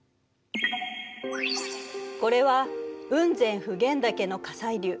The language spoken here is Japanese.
これは雲仙普賢岳の火砕流。